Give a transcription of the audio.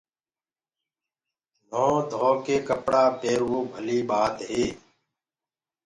نهونٚ ڌوڪي ڪپڙآ پيروو ڀلي ٻآت هي